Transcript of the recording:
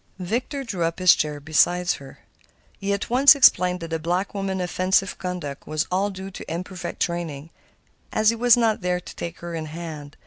Victor drew up his chair beside her. He at once explained that the black woman's offensive conduct was all due to imperfect training, as he was not there to take her in hand.